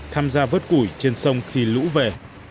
tham gia vớt củi trên sông khi lũ về